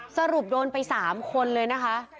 สรุปโดนไป๓คนเลยนะคะ